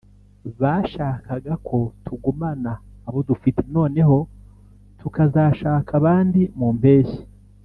bashakaga ko tugumana abo dufite noneho tukazashaka abandi mu mpeshyi